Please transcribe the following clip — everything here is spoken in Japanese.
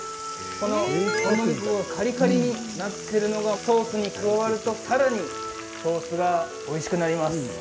この小麦粉がカリカリになってるのがソースに加わるとさらにソースがおいしくなります。